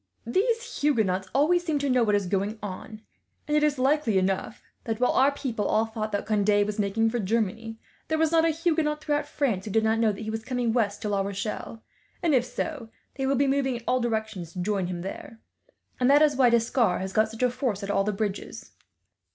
"These Huguenots always seem to know what is going on, and it is likely enough that, while our people all thought that Conde was making for Germany, there was not a Huguenot throughout France who did not know he was coming west to La Rochelle; and if so, they will be moving in all directions to join him there, and that is why D'Escars has got such a force at all the bridges.